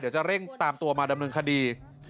เดี๋ยวจะเร่งตามตัวมาดำเนินคดี